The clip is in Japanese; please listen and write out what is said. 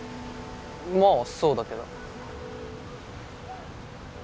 まあそうだけど。